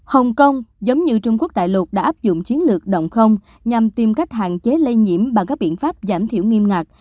hồng kông giống như trung quốc đại lục đã áp dụng chiến lược động không nhằm tìm cách hạn chế lây nhiễm bằng các biện pháp giảm thiểu nghiêm ngặt